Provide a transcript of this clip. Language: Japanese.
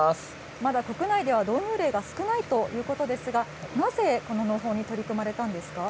まだ国内では導入例が少ないということですが、なぜこの農法に取り組まれたんですか。